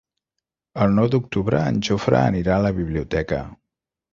El nou d'octubre en Jofre anirà a la biblioteca.